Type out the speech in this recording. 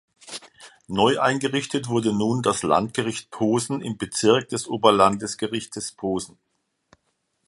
Neu eingerichtet wurde nun das Landgericht Posen im Bezirk des Oberlandesgerichtes Posen.